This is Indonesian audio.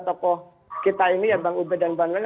tokoh kita ini ya bang ubed dan bang noel